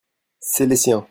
c'est les siens.